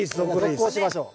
続行しましょう。